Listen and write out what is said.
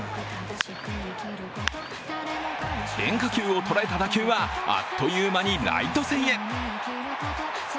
変化球を捉えた打球はあっという間にライト線へ。